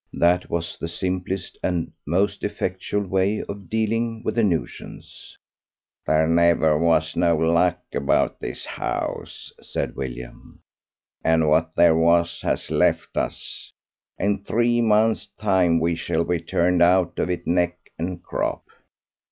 That was the simplest and most effectual way of dealing with the nuisance. "There never was no luck about this house," said William, "and what there was has left us; in three months' time we shall be turned out of it neck and crop.